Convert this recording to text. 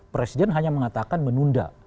presiden hanya mengatakan menunda